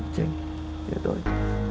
jadi ya doang